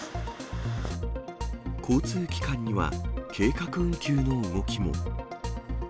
交通機関には計画運休の動きも。